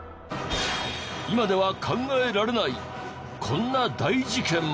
今では考えられないこんな大事件も。